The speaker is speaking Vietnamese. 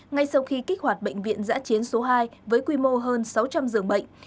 ngay sau khi kích hoạt bệnh viện giã chiến số hai với quy mô hơn sáu trăm linh giường bệnh